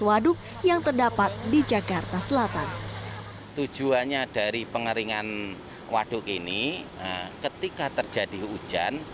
waduk yang terdapat di jakarta selatan tujuannya dari pengeringan waduk ini ketika terjadi hujan